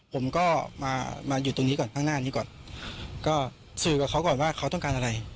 ผมก็มามาอยู่ตรงนี้ก่อนข้างหน้านี้ก่อนก็สื่อกับเขาก่อนว่าเขาต้องการอะไร